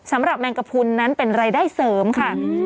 สำหรับแมงกระพูลนั้นเป็นรายได้เสริมค่ะ